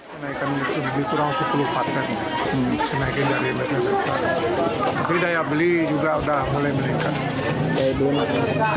tapi daya beli juga sudah mulai meningkat